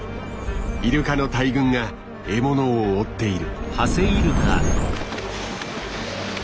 イルカの大群が獲物を追っている。